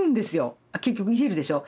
結局入れるでしょ。